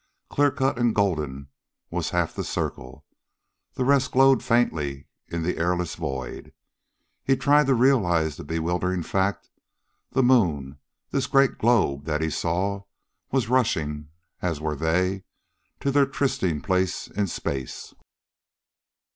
Clear cut and golden was half the circle; the rest glowed faintly in the airless void. He tried to realize the bewildering fact the moon, this great globe that he saw, was rushing, as were they, to their trysting place in space.